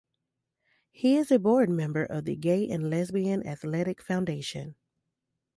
He is a board member of the Gay and Lesbian Athletics Foundation.